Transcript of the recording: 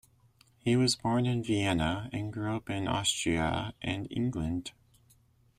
He was born in Vienna and grew up in Austria and England.